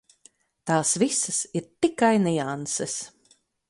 Tās visas ir tikai nianses.